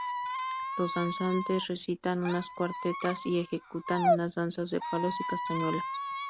Los danzantes recitan unas cuartetas y ejecutan unas danzas de palos y castañuelas.